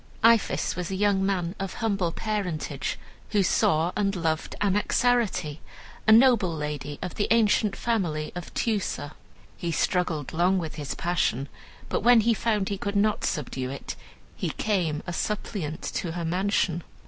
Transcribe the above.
"Iphis was a young man of humble parentage, who saw and loved Anaxarete, a noble lady of the ancient family of Teucer. He struggled long with his passion, but when he found he could not subdue it, he came a suppliant to her mansion.